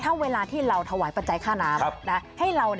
ถ้าเวลาที่เราถวายปัจจัยค่าน้ำให้เรา